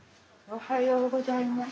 おはようございます。